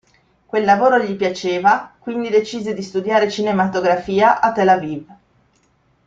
Quel lavoro gli piaceva, quindi decise di studiare cinematografia a Tel Aviv.